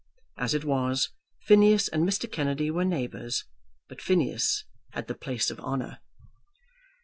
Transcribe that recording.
As it was, Phineas and Mr. Kennedy were neighbours, but Phineas had the place of honour.